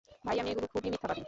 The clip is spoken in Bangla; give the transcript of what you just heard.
ভাইয়া, মেয়েগুলো খুবই মিথ্যাবাদী!